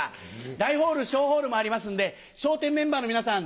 大ホール小ホールもありますんで笑点メンバーの皆さん